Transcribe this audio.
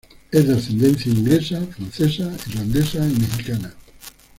Es de ascendencia inglesa, francesa, irlandesa y mexicana.